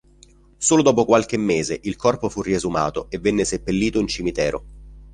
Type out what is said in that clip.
Solo dopo qualche mese il corpo fu riesumato e venne seppellito in cimitero.